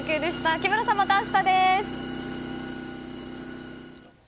木村さん、また明日です。